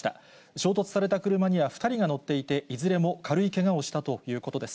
衝突された車には２人が乗っていて、いずれも軽いけがをしたということです。